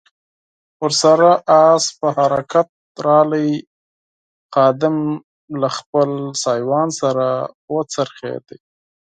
ور سره آس په حرکت راغی، خادم له خپل سایوان سره و څرخېد.